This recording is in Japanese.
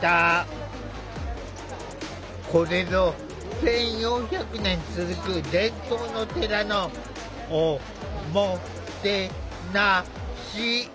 これぞ１，４００年続く伝統の寺の“お・も・て・な・し”。